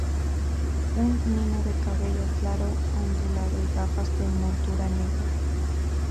Un nino de cabello claro, ondulado y gafas de montura negra.